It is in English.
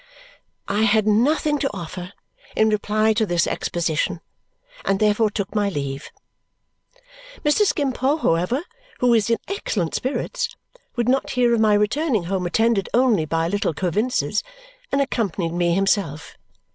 I had nothing to offer in reply to this exposition and therefore took my leave. Mr. Skimpole, however, who was in excellent spirits, would not hear of my returning home attended only by "Little Coavinses," and accompanied me himself.